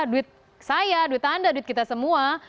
duit saya duit anda duit kita semua